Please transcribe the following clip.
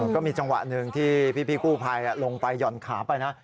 ก็มีจังหวะหนึ่งที่พี่กู้ภัยลงไปหย่อนขาไปนะ